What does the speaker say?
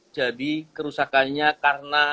jadi kerusakannya karena